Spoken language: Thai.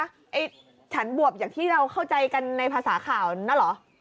ไอ้ฉันบวบอย่างที่เราเข้าใจกันในภาษาข่าวนั่นเหรอ